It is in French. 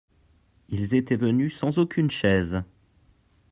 Ils étaient venus sans aucune chaise.